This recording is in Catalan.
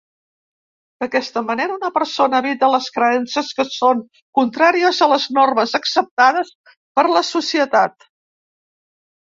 D'aquesta manera, una persona evita les creences que són contràries a les normes acceptades per la societat.